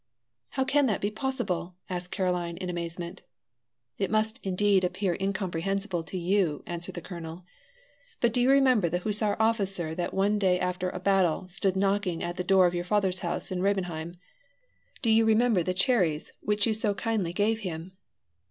"How can that be possible?" asked Caroline, in amazement. "It must indeed appear incomprehensible to you," answered the colonel, "but do you remember the hussar officer that one day, after a battle, stood knocking at the door of your father's house in Rebenheim? Do you remember the cherries which you so kindly gave him?"